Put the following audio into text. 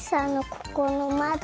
ここのまど。